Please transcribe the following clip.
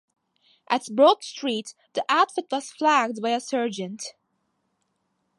At Broad Street the outfit was flagged by a sergeant.